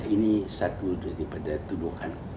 ini satu dari tuduhan